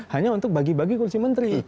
hanya untuk bagi bagi kursi menteri